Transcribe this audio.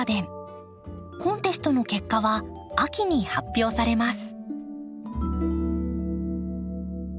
コンテストの結果は秋に発表されます。